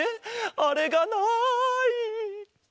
あれがない。